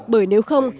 bởi nếu không